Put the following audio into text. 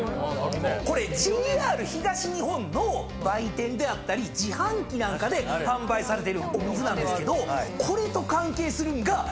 これＪＲ東日本の売店であったり自販機なんかで販売されてるお水なんですけど。